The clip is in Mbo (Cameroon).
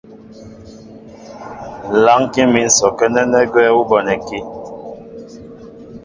Lánkí mín sɔkɛ́ nɛ́nɛ́ gwɛ́ ú bonɛkí.